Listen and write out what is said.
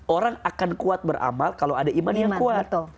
orang akan kuat beramal kalau ada iman yang kuat